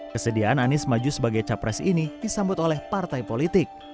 kesediaan anies maju sebagai capres ini disambut oleh partai politik